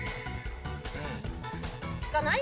聞かない？